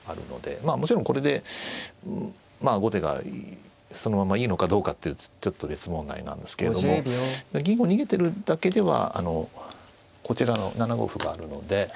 まあもちろんこれで後手がそのままいいのかどうかってちょっと別問題なんですけれども銀を逃げてるだけではあのこちらの７五歩があるので。